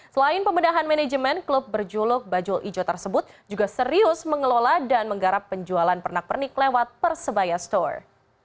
selain pembedahan manajemen klub berjuluk bajul ijo tersebut juga serius mengelola dan menggarap penjualan pernak pernik lewat persebaya store